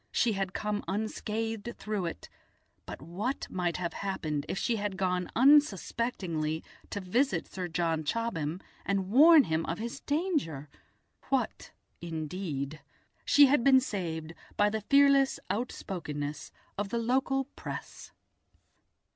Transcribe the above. She had come unscathed through it, but what might have happened if she had gone unsuspectingly to visit Sir John Chobham and warn him of his danger? What indeed! She had been saved by the fearless outspokenness of the local Press.